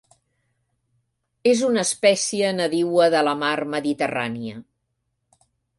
És una espècie nadiua de la mar Mediterrània.